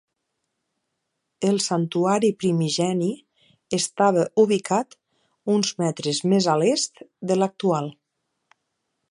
El Santuari primigeni estava ubicat uns metres més a l'est de l'actual.